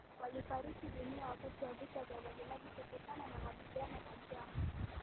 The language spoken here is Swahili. walifariki dunia wakati wa vita vya Maji Maji kutokana na mapigano na njaa